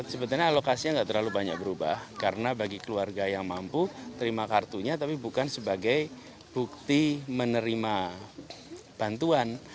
sebenarnya alokasinya nggak terlalu banyak berubah karena bagi keluarga yang mampu terima kartunya tapi bukan sebagai bukti menerima bantuan